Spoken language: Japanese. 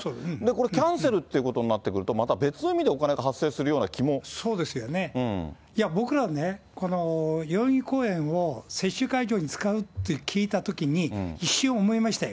これ、キャンセルっていうことになってくると、また別の意味でおそうですよね、いや、僕らはね、代々木公園を接種会場に使うって聞いたときに、一瞬思いましたよ。